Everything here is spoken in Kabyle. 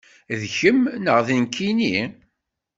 D kemm neɣ d nekkini?